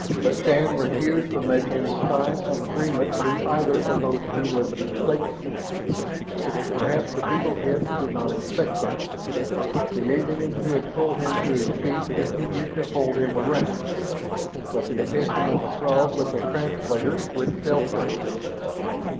But Shann refused to make any sign of agreement to either of those two limited statements. Perhaps the beetle heads did not expect any. The alien who had pulled him to his feet continued to hold him erect, but the attention of the Throg with the translator switched elsewhere.